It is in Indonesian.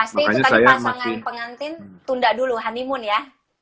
yang pasti pasangan pengantin tunda dulu honeymoon ya